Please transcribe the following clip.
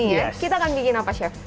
iya kita akan bikin apa chef